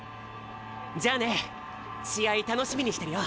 じゃあね試合楽しみにしてるよ。